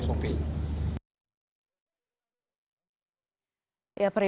perhubungan afakat indonesia atau peradi